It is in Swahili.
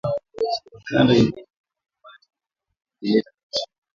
Mikanda ingine ya nyumba bata ileta kesho